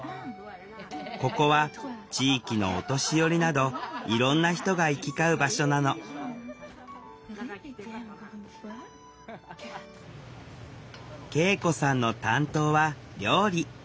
ここは地域のお年寄りなどいろんな人が行き交う場所なの圭永子さんの担当は料理。